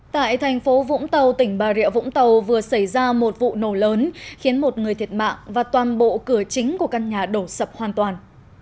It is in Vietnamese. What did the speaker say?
tại thành phố vũng tàu tỉnh bà rịa vũng tàu vừa xảy ra một vụ nổ lớn khiến một người thiệt mạng và toàn bộ cửa chính của căn nhà đổ sập hoàn toàn